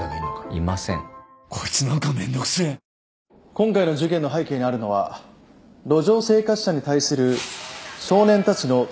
今回の事件の背景にあるのは路上生活者に対する少年たちの投石事件です。